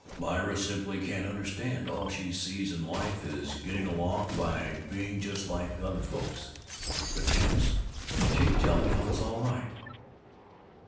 "Myra simply can't understand. All she sees in life is getting along by being just like other folks. But Tanis, she'd tell me I was all right."